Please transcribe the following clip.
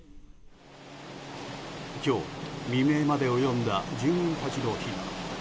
今日未明まで及んだ住民たちの避難。